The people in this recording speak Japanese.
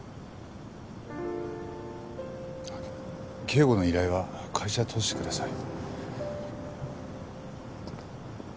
警護の依頼は会社を通してください。